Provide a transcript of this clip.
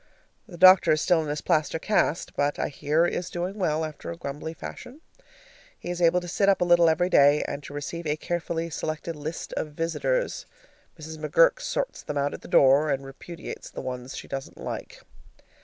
The doctor is still in his plaster cast, but I hear is doing well, after a grumbly fashion. He is able to sit up a little every day and to receive a carefully selected list of visitors. Mrs. McGurk sorts them out at the door, and repudiates the ones she doesn't like.